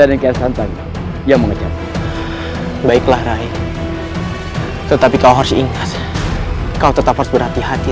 adegan santan yang mengecap baiklah raih tetapi kau harus ingat kau tetap harus berhati hati